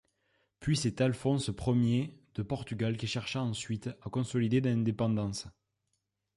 Puis c'est Alphonse Ier de Portugal qui chercha ensuite à consolider l'indépendance.